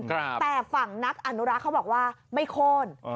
แต่ฝั่งนักอนุรักษ์เขาบอกว่าไม่โค้น